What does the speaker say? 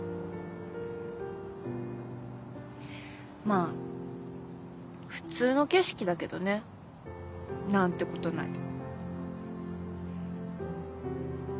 まあ普通の景色だけどね。なんてことない。